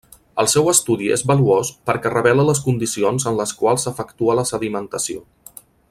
El seu estudi és valuós perquè revela les condicions en les quals s'efectua la sedimentació.